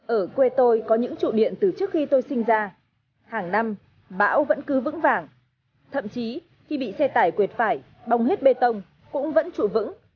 ở quê tôi có những trụ điện từ trước khi tôi sinh ra hàng năm bão vẫn cứ vững vàng thậm chí khi bị xe tải quyệt phải bong hết bê tông cũng vẫn trụ vững